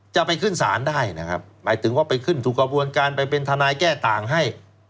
จะไปขึ้นศาลได้นะครับหมายถึงว่าไปขึ้นถูกกระบวนการไปเป็นทนายแก้ต่างให้